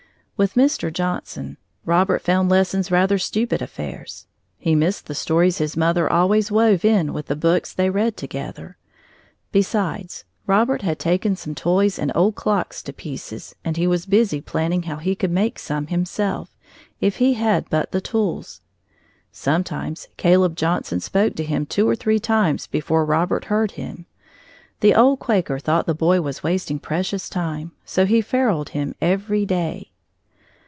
With Mr. Johnson, Robert found lessons rather stupid affairs. He missed the stories his mother always wove in with the books they read together. Besides, Robert had taken some toys and old clocks to pieces, and he was busy planning how he could make some himself, if he but had the tools. Sometimes Caleb Johnson spoke to him two or three times before Robert heard him. The old Quaker thought the boy was wasting precious time, so he feruled him every day.